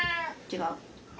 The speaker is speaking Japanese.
違う。